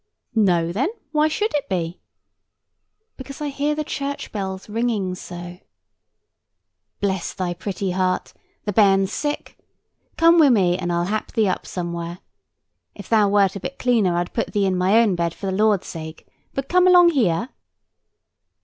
"No, then; why should it be?" "Because I hear the church bells ringing so." "Bless thy pretty heart! The bairn's sick. Come wi' me, and I'll hap thee up somewhere. If thou wert a bit cleaner I'd put thee in my own bed, for the Lord's sake. But come along here."